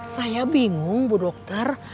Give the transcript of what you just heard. saya bingung bu dokter